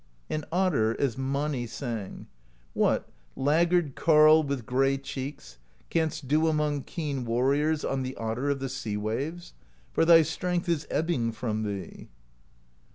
And Otter, as Mani sang: What, laggard carle with gray cheeks. Canst do among keen warriors On the Otter of the Sea Waves? For thy strength is ebbing from thee.